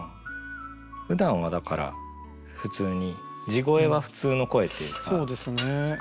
ふだんはだから普通に地声は普通の声っていうか低い声なんでしょうね。